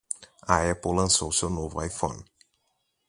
A Apple lançou seu novo iPhone.